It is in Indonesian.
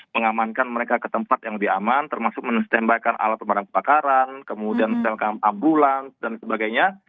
mengamankan mereka ke tempat yang lebih aman termasuk menestembakan alat pemadam kebakaran kemudian selkam ambulans dan sebagainya